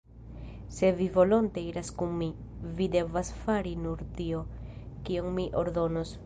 Se vi volonte iras kun mi, vi devas fari nur tion, kion mi ordonos.